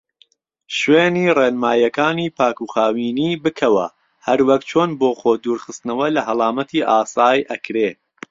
شوێنی ڕێنمایەکانی پاکوخاوینی بکەوە هەروەک چۆن بۆ خۆ دورخستنەوە لە هەڵامەتی ئاسای ئەکرێ.